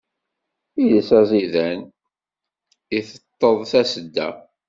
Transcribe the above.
Iles aẓidan, iteṭṭeḍ tasedda.